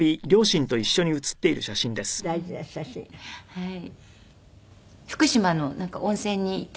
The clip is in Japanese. はい。